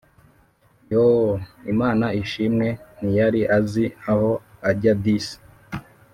Yoo Imana ishimwe ntiyari azi aho ajya disi